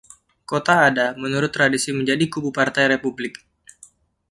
Kota Ada menurut tradisi menjadi kubu Partai Republik.